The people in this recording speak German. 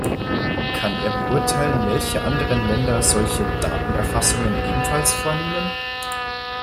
Kann er beurteilen, welche anderen Länder solche "Datenerfassungen" ebenfalls vornehmen?